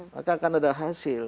maka akan ada hasil